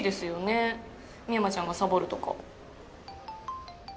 深山ちゃんがサボるとか。